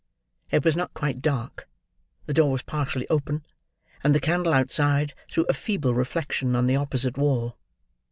It was not quite dark; the door was partially open; and the candle outside, threw a feeble reflection on the opposite wall.